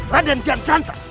rada yang diam santan